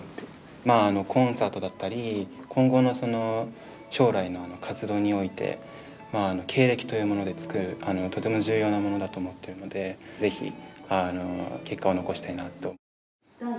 コンサートだったり今後の将来の活動において経歴というものでつくとても重要なものだと思ってるので是非結果を残したいなあと。